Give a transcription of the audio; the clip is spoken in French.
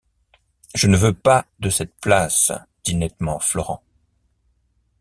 Je ne veux pas de cette place, dit nettement Florent.